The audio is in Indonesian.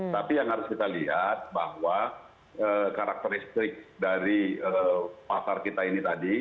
tapi yang harus kita lihat bahwa karakteristik dari pasar kita ini tadi